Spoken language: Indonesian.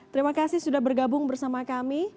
terima kasih sudah bergabung bersama kami